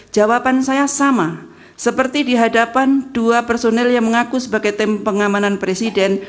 jawaban saya sama seperti di hadapan dua personel yang mengaku sebagai tim pengamanan presiden